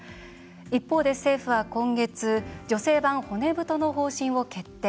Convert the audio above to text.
一方で政府は今月「女性版骨太の方針」を決定。